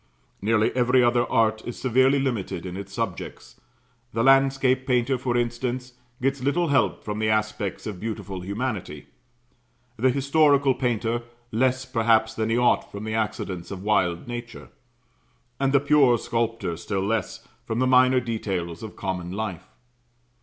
Nearly every other art is severely limited in its subjects the landscape painter, for instance, gets little help from the aspects of beautiful humanity; the historical painter, less, perhaps, than he ought, from the accidents of wild nature; and the pure sculptor, still less, from the minor details of common life.